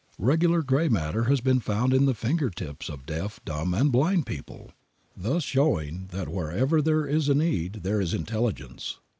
Regular gray matter has been found in the finger tips of deaf, dumb and blind people, thus showing that wherever there is a need there is intelligence.